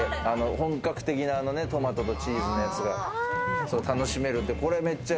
本格的なトマトとチーズのやつが楽しめる。